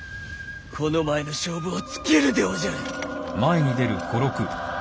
この前の勝負をつけるでおじゃる。